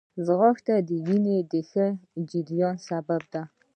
ځغاسته د وینې د ښه جریان سبب ده